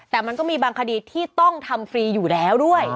แต่มันก็มีบางคดีที่ต้องทำฟรีอยู่แล้วด้วย